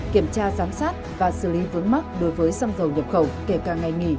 kiểm tra giám sát và xử lý vướng mắc đối với xăng dầu nhập khẩu kể cả ngày nghỉ